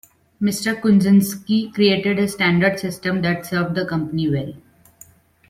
Mr. Kunczynski created a standard system that served the company well.